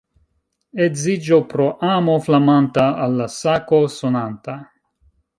Edziĝo pro amo flamanta al la sako sonanta.